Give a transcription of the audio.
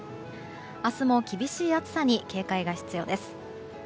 明日も厳しい暑さに警戒が必要です。